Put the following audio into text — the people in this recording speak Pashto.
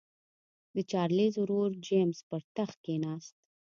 د چارلېز ورور جېمز پر تخت کېناست.